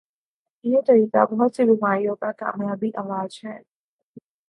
یہ طریقہ بہت سی بیماریوں کا کامیابعلاج ہے